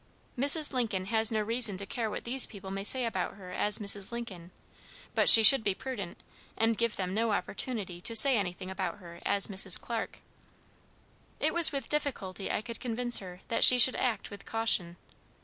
Mrs. Lincoln has no reason to care what these people may say about her as Mrs. Lincoln, but she should be prudent, and give them no opportunity to say anything about her as Mrs. Clarke." It was with difficulty I could convince her that she should act with caution.